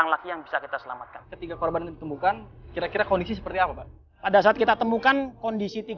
kesah yang memang a eaten karena deklin ini